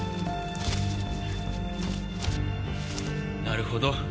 なるほど。